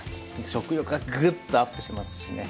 食欲がグッとアップしますしね。